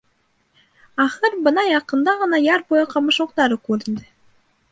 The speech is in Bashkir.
Ахыр бына яҡында ғына яр буйы ҡамышлыҡтары күренде.